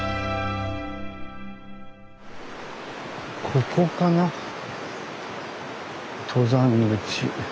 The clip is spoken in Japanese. ここかな登山口。